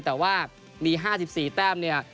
แต่ว่ามี๕๔แต้มเนี่ย